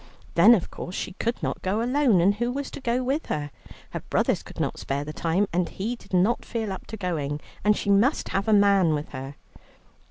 Then, of course, she could not go alone, and who was to go with her? Her brothers could not spare the time, and he did not feel up to going, and she must have a man with her.